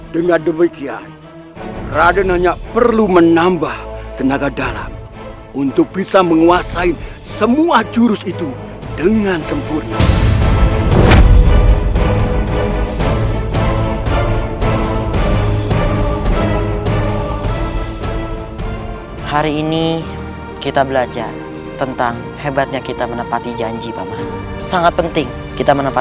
dengan demikian raden hanya perlu menambah tenaga dalam untuk bisa menguasai semua jurus itu dengan sempurna